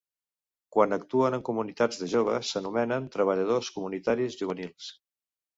Quan actuen en comunitats de joves, s'anomenen treballadors comunitaris juvenils.